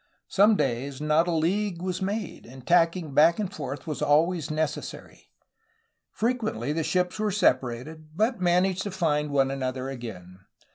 Some days not a league was made, and tacking back and forth was always necessary. Frequently the ships were separated, but managed to find one another again.